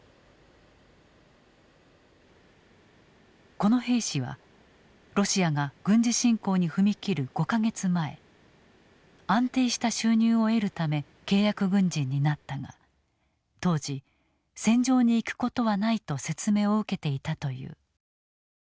この兵士はロシアが軍事侵攻に踏み切る５か月前安定した収入を得るため契約軍人になったが当時戦場に行くことはないと説明を受けていたという。